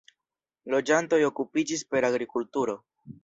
Loĝantoj okupiĝis per agrikulturo.